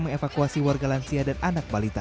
mengevakuasi warga lansia dan anak balita